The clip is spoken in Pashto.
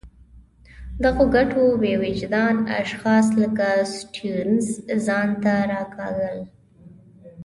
دغو ګټو بې وجدان اشخاص لکه سټیونز ځان ته راکاږل.